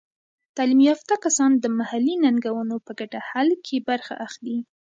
تعلیم یافته کسان د محلي ننګونو په ګډه حل کې برخه اخلي.